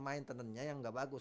maintenance nya yang gak bagus